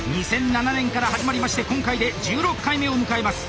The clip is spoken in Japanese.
２００７年から始まりまして今回で１６回目を迎えます。